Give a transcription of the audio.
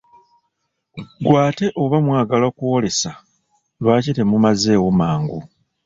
Ggwe ate oba mwagala kw'olesa, lwaki temumazeewo mangu?